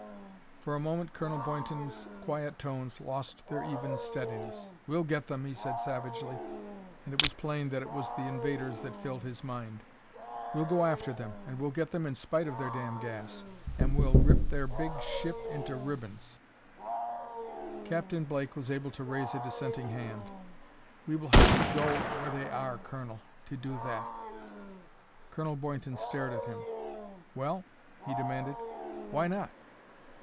For a moment Colonel Boynton's quiet tones lost their even steadiness. "We'll get them," he said savagely, and it was plain that it was the invaders that filled his mind; "we'll go after them, and we'll get them in spite of their damn gas, and we'll rip their big ship into ribbons " Captain Blake was able to raise a dissenting hand. "We will have to go where they are, Colonel, to do that." Colonel Boynton stared at him. "Well?" he demanded. "Why not?"